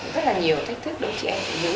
rất là nhiều thách thức đối với chị em